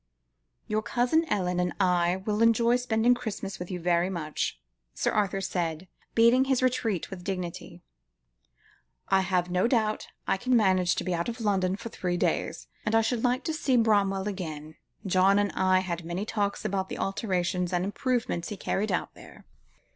"Your cousin Ellen and I will enjoy spending Christmas with you very much," Sir Arthur said, beating his retreat with dignity. "I have no doubt I can manage to be out of London for three days, and I should like to see Bramwell again. John and I had many talks about the alterations and improvements he carried out there."